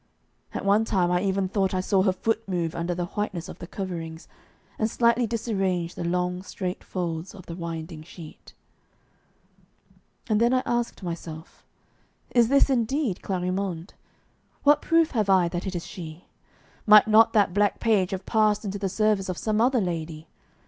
At one time I even thought I saw her foot move under the whiteness of the coverings, and slightly disarrange the long straight folds of the winding sheet. And then I asked myself: 'Is this indeed Clarimonde? What proof have I that it is she? Might not that black page have passed into the service of some other lady?